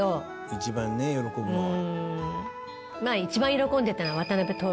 「一番ね喜ぶのは」